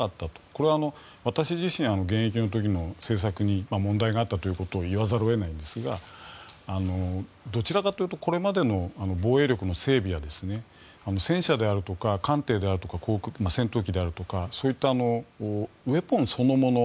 これは私自身、現役の時の政策に問題があったということを言わざるを得ないんですがどちらかというとこれまでの防衛力の整備は戦車であるとか艦艇であるとか戦闘機であるとかそういったウェポンそのもの